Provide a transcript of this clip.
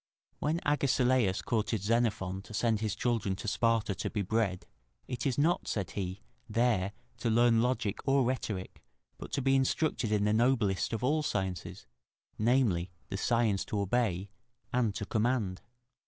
When Agesilaus courted Xenophon to send his children to Sparta to be bred, "it is not," said he, "there to learn logic or rhetoric, but to be instructed in the noblest of all sciences, namely, the science to obey and to command."